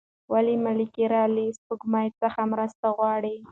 ولې ملکیار له سپوږمۍ څخه مرسته غواړي؟